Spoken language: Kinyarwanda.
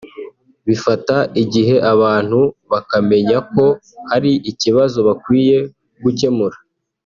Bifata igihe abantu bakamenya ko hari ikibazo bakwiye gukemura